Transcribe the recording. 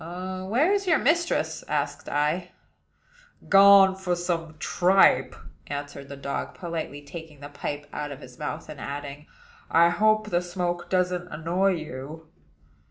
"Where is your mistress?" asked I. "Gone for some tripe," answered the dog, politely taking the pipe out of his mouth, and adding, "I hope the smoke doesn't annoy you."